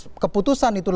ketika keputusan itu lancar